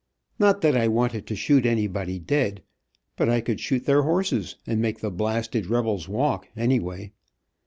Not that. I wanted to shoot anybody dead, but I could shoot their horses, and make the blasted rebels walk, anyway.